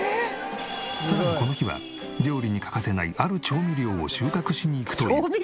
さらにこの日は料理に欠かせないある調味料を収穫しに行くという。